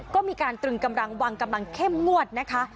ก็มีการตรึงกำลังวางกำลังเข้มงวดนะคะ